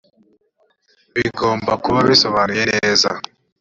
bigomba kuba bisobanuye neza